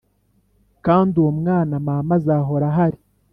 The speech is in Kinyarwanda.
kandi uwo mama azahora ahari